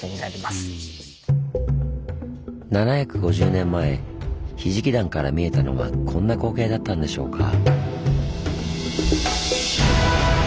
７５０年前「ひじきだん」から見えたのはこんな光景だったんでしょうか。